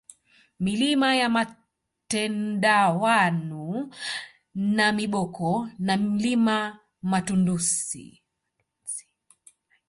Milima ya Matemdawanu Namiboko na Mlima Matundsi